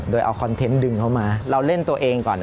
โดยเอาคอนเทนต์ดึงเข้ามาเราเล่นตัวเองก่อน